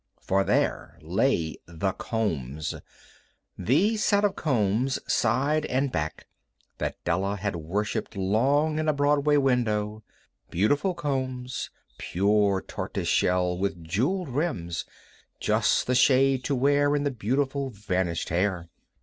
For there lay The Combs—the set of combs, side and back, that Della had worshipped long in a Broadway window. Beautiful combs, pure tortoise shell, with jewelled rims—just the shade to wear in the beautiful vanished hair.